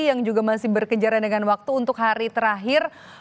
yang juga masih berkejaran dengan waktu untuk hari terakhir